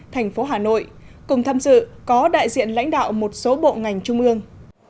thành phố hà nội cùng tham dự có đại diện lãnh đạo một số bộ ngành trung ương